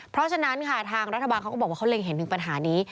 เพราะฉะนั้นค่ะทางรัฐบาลเขาก็บอกว่าเขาเล็งเห็นถึงปัญหานี้